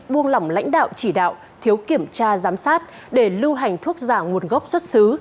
buông lỏng lãnh đạo chỉ đạo thiếu kiểm tra giám sát để lưu hành thuốc giả nguồn gốc xuất xứ